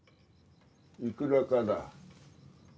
いくらかだ。